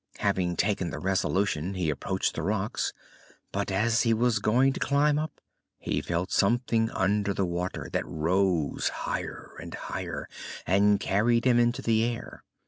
Having taken the resolution he approached the rocks, but, as he was going to climb up, he felt something under the water that rose higher and higher and carried him into the air.